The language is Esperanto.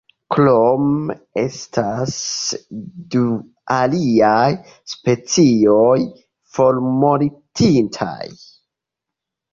Krome estas du aliaj specioj formortintaj.